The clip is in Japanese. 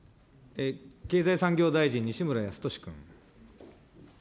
経済産業大臣、西村康稔君。